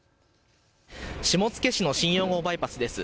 下野市の新４号バイパスです。